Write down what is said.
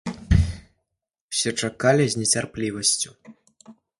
Усе чакалі з нецярплівасцю.